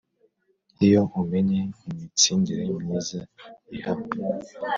Iyo umenye imitsindire myiza ihaba